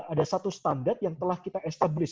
ada satu standar yang telah kita establishe